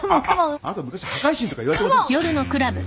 あなた昔破壊神とか言われてませんでした？